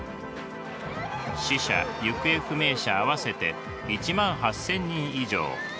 死者行方不明者合わせて１万８，０００人以上。